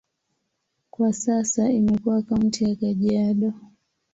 Kwa sasa imekuwa kaunti ya Kajiado.